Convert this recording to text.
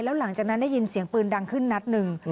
แล้วหลังจากนั้นได้ยินเสียงปืนดังขึ้นนัดหนึ่ง